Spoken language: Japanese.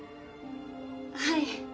はい。